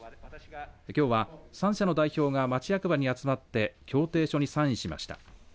きょうは３者の代表が町役場に集まって協定書にサインしました。